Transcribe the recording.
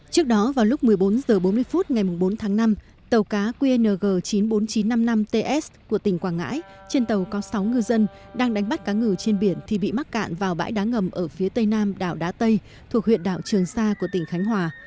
trước đó vào lúc một mươi bốn h bốn mươi phút ngày bốn tháng năm tàu cá qng chín mươi bốn nghìn chín trăm năm mươi năm ts của tỉnh quảng ngãi trên tàu có sáu ngư dân đang đánh bắt cá ngừ trên biển thì bị mắc cạn vào bãi đá ngầm ở phía tây nam đảo đá tây thuộc huyện đảo trường sa của tỉnh khánh hòa